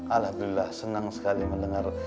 alhamdulillah senang sekali mendengar